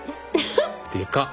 でかっ。